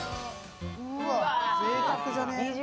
うわ、ぜいたくじゃね。